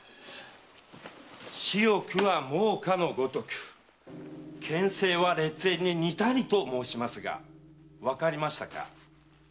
「嗜欲は猛火の如く権勢は烈焔に似たり」と申しますがわかりましたか？